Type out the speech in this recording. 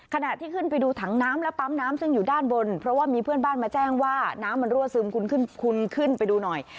ขณะที่ขึ้นไปดูถังน้ำและปั๊มน้ำซึ่งอยู่ด้านบนเพราะว่ามีเพื่อนบ้านมาแจ้งว่าน้ำมันรั่วซึมคุณขึ้นไปดูหน่อย